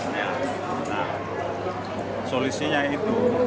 nah solusinya itu